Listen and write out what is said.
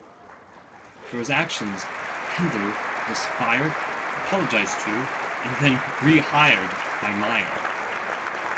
For his actions, Kendall was fired, apologized to, and then rehired by Meyer.